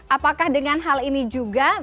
apakah dengan hal ini juga